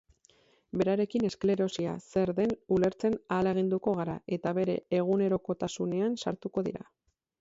Berarekin esklerosia zer den ulertzen ahaleginduko gara eta bere egunerokotasunean sartuko dira.